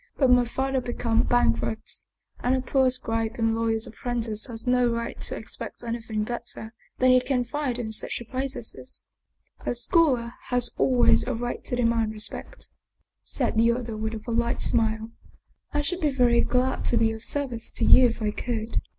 But my father became bankrupt, and a poor scribe and lawyer's apprentice has no right to expect anything better than he can find in such a place as this." 46 Paul Heyse " A scholar has always a right to demand respect," said the other with a polite smile. " I should be very glad to be of service to you if I could.